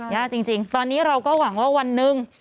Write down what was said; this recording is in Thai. ยากจริงตอนนี้เราก็หวังว่าวันหนึ่ง